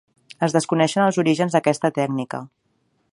Es desconeixen els orígens d'aquesta tècnica.